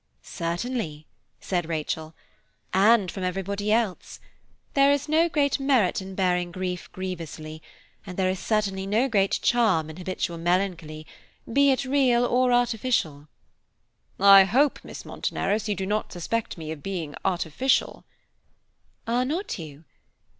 "Certainly," said Rachel, "and from everybody else. There is no great merit in bearing grief grievously, and there is certainly no great charm in habitual melancholy, be it real or artificial." "I hope, Miss Monteneros, you do not suspect me of being artificial." "Are not you?